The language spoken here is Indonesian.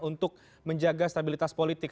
untuk menjaga stabilitas politik